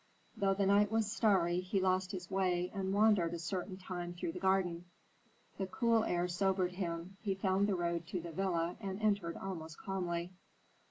Though the night was starry, he lost his way and wandered a certain time through the garden. The cool air sobered him; he found the road to the villa and entered almost calmly.